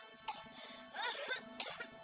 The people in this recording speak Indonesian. teh nasinya sudah matang